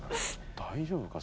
大丈夫か？